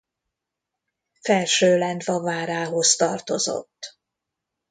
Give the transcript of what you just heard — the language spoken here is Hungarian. Felsőlendva várához tartozott.